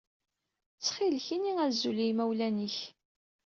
Ttxil-k ini azul i yimawlan-ik.